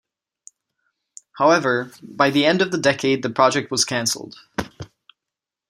However, by the end of the decade the project was cancelled.